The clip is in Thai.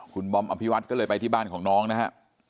คุณบอมอัมภิวัฒน์ก็เลยไปที่บ้านของน้องนะครับ